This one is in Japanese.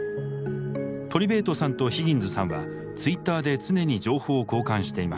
トリベートさんとヒギンズさんはツイッターで常に情報を交換していました。